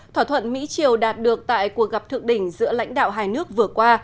thỏa thuận mỹ triều đạt được tại cuộc gặp thượng đỉnh giữa lãnh đạo hai nước vừa qua